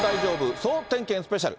総点検スペシャル。